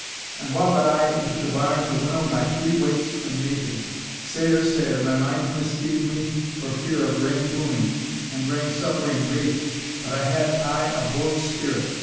And wha but I into the barn to winnow my three weights o' naething sair, sair my mind misgave me for fear of wrang doing and wrang suffering baith; but I had aye a bauld spirit.